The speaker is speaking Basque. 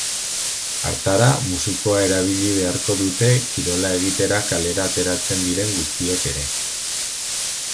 Hartara, musukoa erabili beharko dute kirola egitera kalera ateratzen diren guztiek ere.